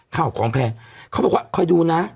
ข้าวของแพงเขาบอกว่าคอยดูนะ